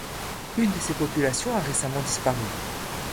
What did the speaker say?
Une de ces populations a récemment disparue.